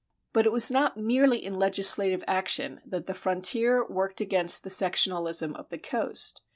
But it was not merely in legislative action that the frontier worked against the sectionalism of the coast.